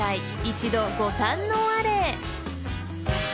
一度ご堪能あれ］